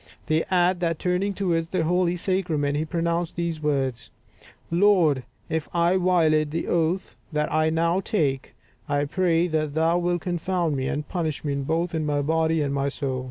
They add that turning towards the holy sacrament, he pronounced these words, "Lord, if I violate the oath that I now take, I pray that Thou wilt confound me, and punish me both in my body and my soul!"